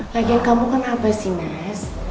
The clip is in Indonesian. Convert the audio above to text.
bagian kamu kan apa sih mas